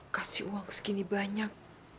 kasih uang segini banyak